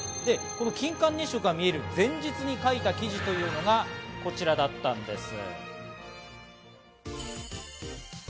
金環日食が見える前日に書いた記事がこちらだったんです。